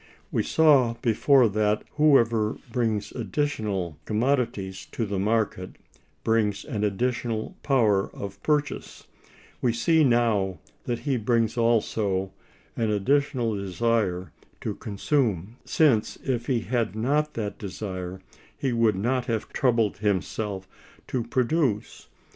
We saw before that whoever brings additional commodities to the market brings an additional power of purchase; we now see that he brings also an additional desire to consume, since if he had not that desire he would not have troubled himself to produce.